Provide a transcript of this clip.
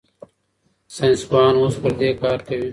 ساینسپوهان اوس پر دې کار کوي.